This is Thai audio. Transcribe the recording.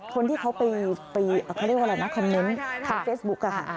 คนที่เขาไปคอมเม้นท์ทางเฟสบุ๊คค่ะ